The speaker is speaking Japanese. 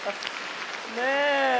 ねえ。